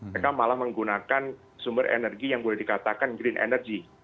mereka malah menggunakan sumber energi yang boleh dikatakan green energy